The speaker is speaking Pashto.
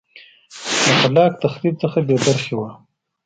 د خلاق تخریب څخه بې برخې وه